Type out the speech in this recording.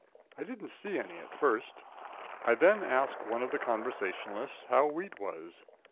I didn't see any at first. I then asked one of the conversationalists how wheat was.